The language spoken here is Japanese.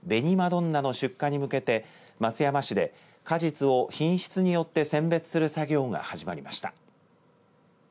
どんなの出荷に向けて松山市で果実を品質によって選別する作業が始まりました。